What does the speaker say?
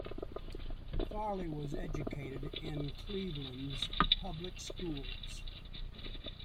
Farley was educated in Cleveland's public schools.